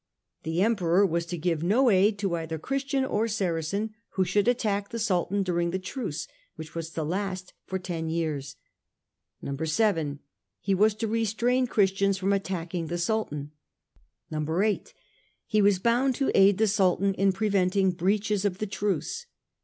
The Emperor was to give no aid to either Christian or Saracen who should attack the Sultan during the Truce, which was to last for ten years. 7. He was to restrain Christians from attacking the Sultan. 8. He was bound to aid the Sultan in preventing breaches of the Truce.